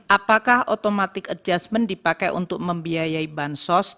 apakah automatic adjustment dipakai untuk membiayai bansos